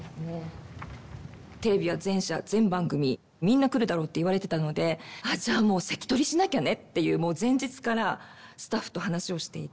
テレビは全社全番組みんな来るだろうっていわれてたので「じゃあもう席取りしなきゃね」っていうもう前日からスタッフと話をしていて。